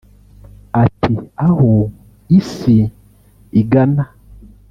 Ati “Aho Isi igana